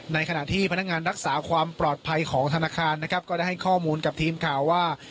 ในขณะที่พนักงานรักษาความปลอดภัยของธนาคารนะครับก็ได้ให้ข้อมูลกับทีมข่าวว่า